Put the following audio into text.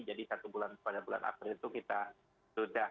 jadi pada bulan april itu kita sudah